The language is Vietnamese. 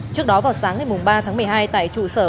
trước đó vào sáng ngày ba tháng một mươi hai tại trụ sở